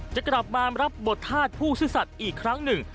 จะกลับมารับบทธาตุผู้ซื่อสัตว์อีกครั้งหนึ่ง